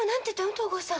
東郷さん。